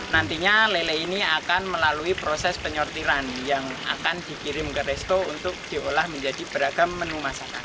nantinya lele ini akan melalui proses penyortiran yang akan dikirim ke resto untuk diolah menjadi beragam menu masakan